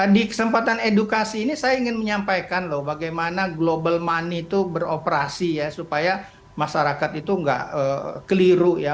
di kesempatan edukasi ini saya ingin menyampaikan loh bagaimana global money itu beroperasi ya supaya masyarakat itu nggak keliru ya